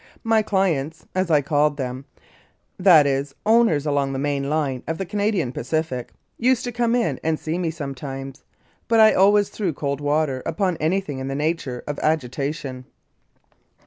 My clients, as I called them that is, owners along the main line of the Canadian Pacific used to come in and see me sometimes, but I always threw cold water upon anything in the nature of agita tion.